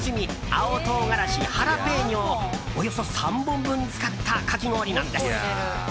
青唐辛子ハラペーニョをおよそ３本分使ったかき氷なんです。